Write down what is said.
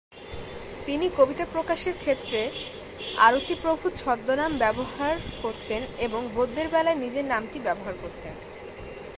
তিনি কবিতা প্রকাশের ক্ষেত্রে "আরতি প্রভু" ছদ্মনাম ব্যবহার করতেন এবং গদ্যের বেলায় নিজের নামটিই ব্যবহার করতেন।